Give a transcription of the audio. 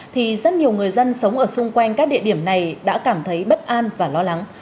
thì rất nhiều người dân sống ở xung quanh các địa điểm này đã cảm thấy bất an và lo lắng